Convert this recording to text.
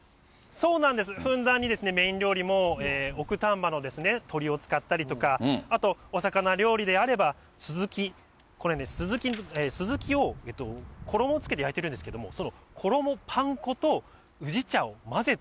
そうなんです、ふんだんにメイン料理も奥丹波の鶏を使ったりとか、あと、お魚料理であれば、スズキ、これね、スズキを衣をつけて焼いてるんですけども、衣、パン粉と宇治茶を混ぜた。